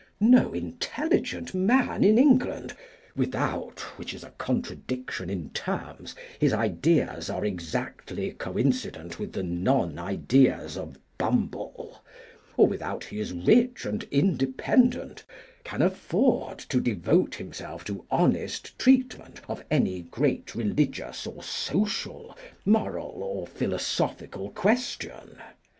No intelligent man in England, without (which is a contradiction in terms) his ideas are exactly coincident with the non ideas of Bumble, or without he is rich and independent, can afford to devote himself to honest treatment of any great religious or social, moral or philosophical question.